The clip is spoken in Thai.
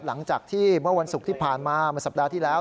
หลังจากที่เมื่อวันศุกร์ที่ผ่านมาเมื่อสัปดาห์ที่แล้ว